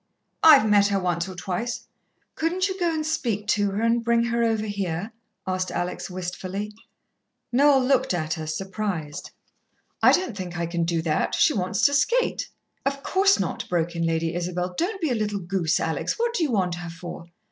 "I've met her once or twice." "Couldn't you go and speak to her, and bring her over here?" asked Alex wistfully. Noel looked at her, surprised. "I don't think I can do that. She wants to skate." "Of course not," broke in Lady Isabel. "Don't be a little goose, Alex. What do you want her for?"